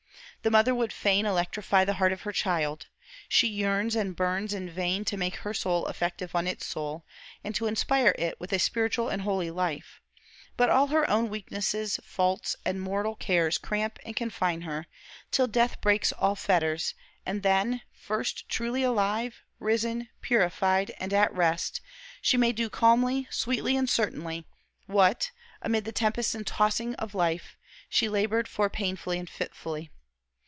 The mother would fain electrify the heart of her child; she yearns and burns in vain to make her soul effective on its soul, and to inspire it with a spiritual and holy life; but all her own weaknesses, faults, and mortal cares cramp and confine her, till death breaks all fetters; and then, first truly alive, risen, purified, and at rest, she may do calmly, sweetly, and certainly, what, amid the tempests and tossings of life, she labored for painfully and fitfully.